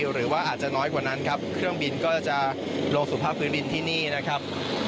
หรือว่าอาจจะน้อยกว่านั้นครับเครื่องบินก็จะลงสู่ภาคพื้นดินที่นี่นะครับ